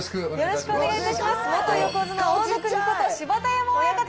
よろしくお願いします。